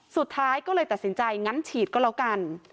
สุดท้ายก็เลยตัดสินใจงั้นฉีดก็แล้วกัน